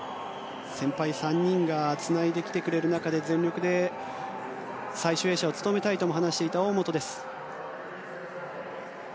先輩３人がつないできてくれる中で全力で最終泳者を務めたいとも話していた大本です。